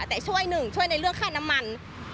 แต่ช่วยหนึ่งช่วยในเรื่องค่าน้ำมัน